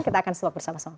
kita akan sebut bersama sama